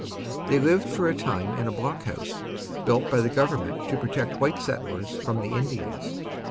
They lived for a time in a block house, built by the Government to protect white settlers from the Indians.